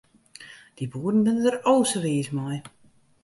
Dy boeren binne der o sa wiis mei.